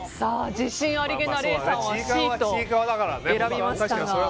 自信ありげな礼さんはＣと選びましたが。